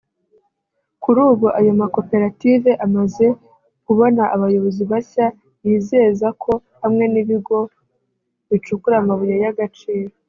Kuri ubu ayo makoperative amaze kubona abayobozi bashya yizeza ko hamwe n’ibigo bicukura amabuye y’agaciro